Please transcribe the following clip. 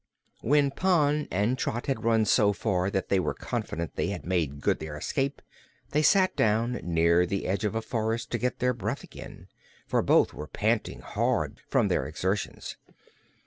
When Pon and Trot had run so far that they were confident they had made good their escape, they sat down near the edge of a forest to get their breath again, for both were panting hard from their exertions.